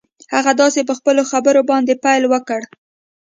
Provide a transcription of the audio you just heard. هغه داسې په خپلو خبرو باندې پيل وکړ.